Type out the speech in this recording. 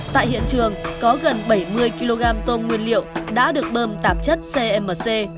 tại hiện trường có gần bảy mươi kg tôm nguyên liệu đã được bơm tạp chất cmc